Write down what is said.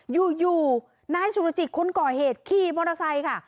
อยู่นายสุรจิตคนก่อเหตุขี่มอเตอร์ไซค์ค่ะ